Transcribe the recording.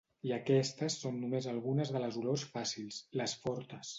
I aquestes són només algunes de les olors fàcils, les fortes.